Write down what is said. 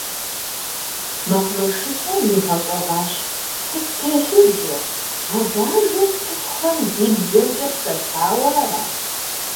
МэкъумэшыщӀэм игъэщӀэгъуащ: - Сыт телъыджэ! А бажэр цӀыхухэм ди бзэмкӀэ псэлъауэ ара?